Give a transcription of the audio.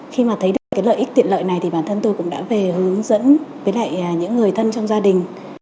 khi mà thấy được cái lợi ích tiện lợi này thì bản thân tôi cũng đã về hướng dẫn với lại những người thân trong gia đình